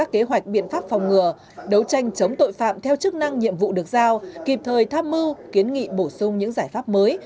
kế hoạch biện pháp phòng ngừa đấu tranh chống tội phạm theo chức năng nhiệm vụ được giao kịp thời tham mưu kiến nghị bổ sung những giải pháp mới